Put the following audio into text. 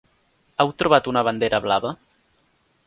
Heu trobat una bandera blava?